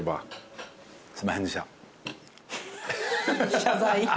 謝罪。